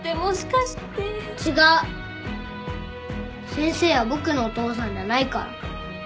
先生は僕のお父さんじゃないから。